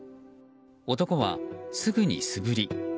男は、すぐに素振り。